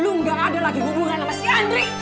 lu gak ada lagi hubungan sama si andri